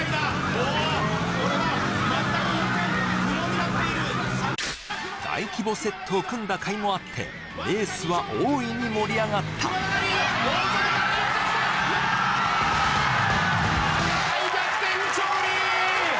おおこれは全く運転不能になっている大規模セットを組んだ甲斐もあってレースは大いに盛り上がった大逆転勝利！